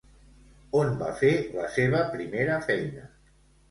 On va fer la seva primera feina?